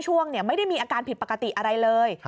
ช่วงไม่ได้มีอาการผิดปกติอะไรเลย